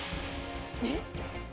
えっ？